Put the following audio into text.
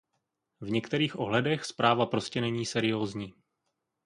V některých ohledech zpráva prostě není seriózní.